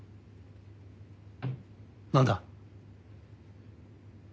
何だ？